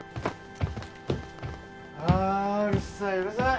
ああうるさいうるさい。